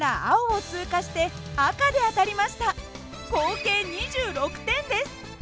合計２６点です。